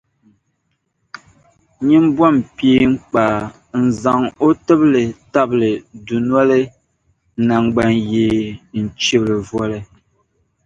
nyin’ bom’ peeŋkpaa n-zaŋ o tibili tabili dunoli naŋgbanyee n-chib’ li voli.